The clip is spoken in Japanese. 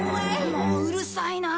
もううるさいな！